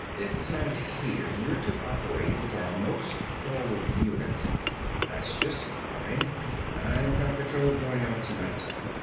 "It says here you're to operate with our most forward units. That's just fine. I've got a patrol going out tonight.